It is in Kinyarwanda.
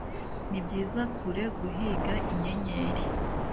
nibyiza kure guhiga inyenyeri,